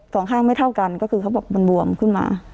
สองข้างไม่เท่ากันก็คือเขาบอกมันบวมขึ้นมา